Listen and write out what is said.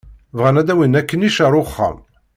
Bɣan ad d-awin aknic ar wexxam.